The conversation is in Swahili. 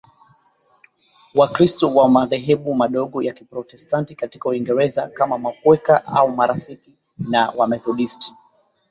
Wakristo wa madhehebu madogo ya Kiprotestanti katika Uingereza kama Makweka au Marafiki na Wamethodisti